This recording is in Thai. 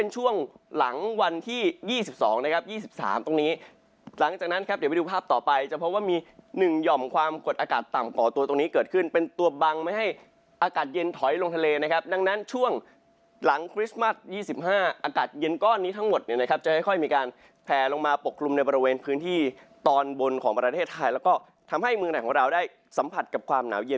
จะเพราะว่ามีหนึ่งหย่อมความกดอากาศต่ำก่อตัวตรงนี้เกิดขึ้นเป็นตัวบังไม่ให้อากาศเย็นถอยลงทะเลนะครับดังนั้นช่วงหลังคริสต์มัส๒๕อากาศเย็นก้อนนี้ทั้งหมดนะครับจะค่อยมีการแพร่ลงมาปกปรุงในบริเวณพื้นที่ตอนบนของประเทศไทยแล้วก็ทำให้เมืองแหล่งของเราได้สัมผัสกับความหนาวเย็